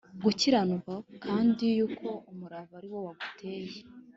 gukiranuka Kandi yuko umurava ari wo waguteye